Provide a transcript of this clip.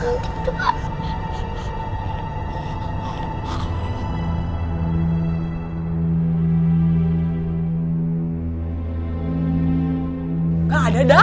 nggak ada adam